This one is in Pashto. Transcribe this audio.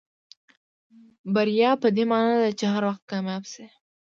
بریا پدې معنا نه ده چې هر وخت کامیاب شئ.